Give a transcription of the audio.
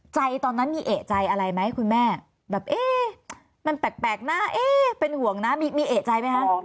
ตอนนั้นมีเอกใจอะไรไหมคุณแม่แบบเอ๊ะมันแปลกนะเอ๊ะเป็นห่วงนะมีเอกใจไหมคะ